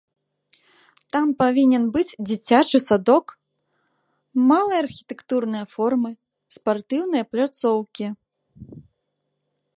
Там павінен быць дзіцячы садок, малыя архітэктурныя формы, спартыўныя пляцоўкі.